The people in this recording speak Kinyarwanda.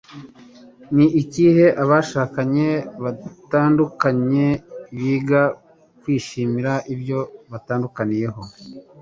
Ni igihe abashakanye badatunganye biga kwishimira ibyo batandukaniyeho. ”